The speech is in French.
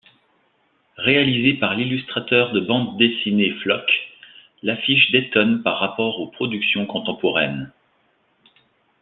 Réalisée par l'illustrateur de bande dessinée Floc'h, l'affiche détonne par rapport aux productions contemporaines.